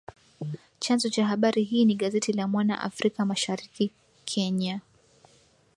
Chanzo cha habari hii ni gazeti la Mwana Afrika Mashariki, Kenya